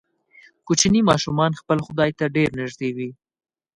کوچني ماشومان خپل خدای ته ډیر نږدې وي.